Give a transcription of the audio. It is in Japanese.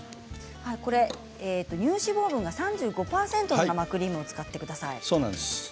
乳脂肪分が３５％の生クリームを使ってください。